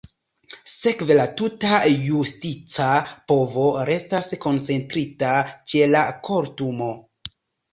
Sekve la tuta justica povo restas koncentrita ĉe la Kortumo.